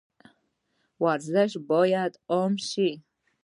ورزش باید عام شي